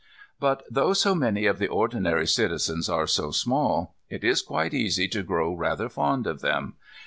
But though so many of the ordinary citizens are so small, it is quite easy to grow rather fond of them.